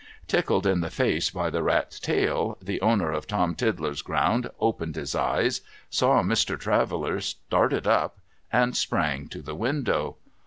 Tickled in the face by the rat's tail, the owner of Tom Tiddler's ground opened his eyes, saw Mr. Traveller, started up, and sprang to the window.